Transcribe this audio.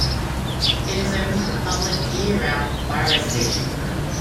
It is open to the public year-round by reservation.